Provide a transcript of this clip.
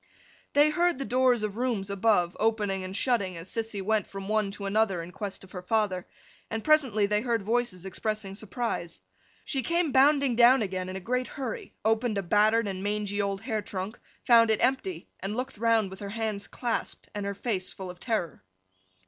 They heard the doors of rooms above, opening and shutting as Sissy went from one to another in quest of her father; and presently they heard voices expressing surprise. She came bounding down again in a great hurry, opened a battered and mangy old hair trunk, found it empty, and looked round with her hands clasped and her face full of terror.